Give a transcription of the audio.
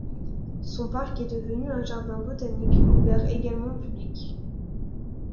Son parc est devenu un jardin botanique ouvert également au public.